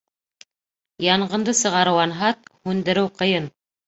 Янғынды сығарыу анһат, һүндереү ҡыйын.